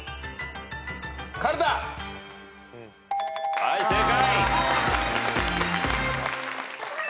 はい正解。